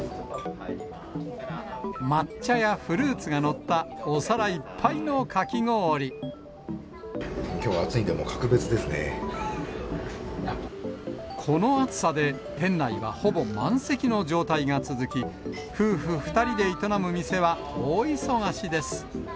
抹茶やフルーツが載ったお皿きょうは暑いんで、もう格別この暑さで、店内はほぼ満席の状態が続き、夫婦２人で営む店は大忙しです。